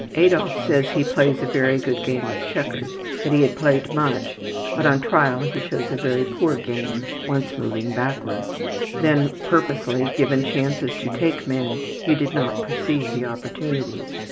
Adolf says he plays a very good game of checkers, that he had played much, but on trial he shows a very poor game, once moving backwards. When purposely given chances to take men he did not perceive the opportunities.